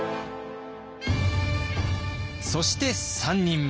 そして３人目。